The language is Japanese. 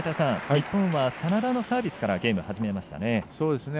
日本は眞田のサービスからゲーム始めましたね。